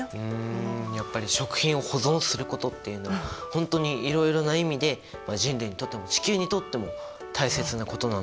やっぱり食品を保存することっていうのは本当にいろいろな意味で人類にとっても地球にとっても大切なことなんですね。